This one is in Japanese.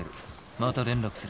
また連絡する。